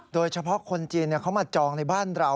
โดยเฉพาะคนจีนเขามาจองในบ้านเรา